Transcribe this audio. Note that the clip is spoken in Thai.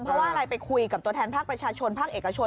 เพราะว่าอะไรไปคุยกับตัวแทนภาคประชาชนภาคเอกชน